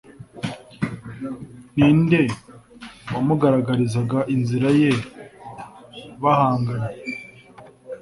Ni nde wamugaragariza inzira ye bahanganye.